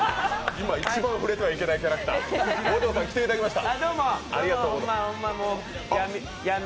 今一番触れてはいけないキャラクターに来ていただきました。